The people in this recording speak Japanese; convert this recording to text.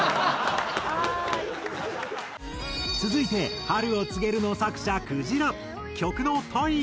続いて『春を告げる』の作者くじら。